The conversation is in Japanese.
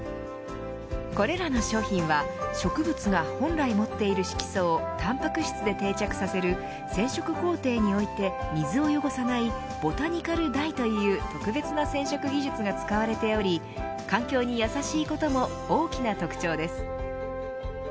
これらの商品は植物が本来持っている色素をタンパク質で定着させる染色工程に置いて水を汚さないボタニカルダイという特別な染色技術が使われており環境に優しいことも大きな特徴です。